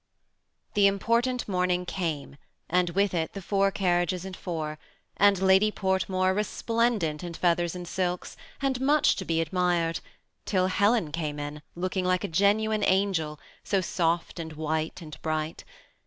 The important morning came, and with it the four carriages and four, and Lady Portmore, resplendent in feathers and silks, and much to he admired, till Helen came in, looking like a genuine angel, so soflt and white and hright.